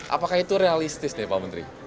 apakah itu realistis nih pak menteri